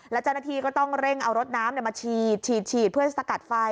และเจ้าหน้าที่ก็ต้องเร่งเอารถน้ำมาฉีดเพื่อสกัดไฟ